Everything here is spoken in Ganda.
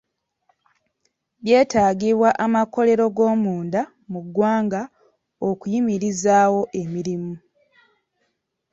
Byetaagibwa amakolero g'omunda mu ggwanga okuyimirizaawo emirimu.